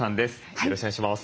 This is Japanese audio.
よろしくお願いします。